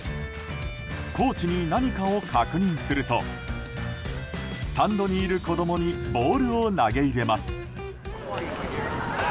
コーチに何かを確認するとスタンドにいる子供にボールを投げ入れます。